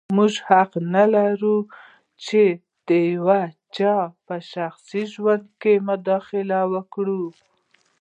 موږ حق نه لرو چې د یو چا په شخصي ژوند کې مداخله وکړو.